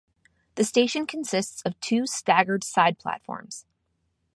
The station consists of two staggered side-platforms.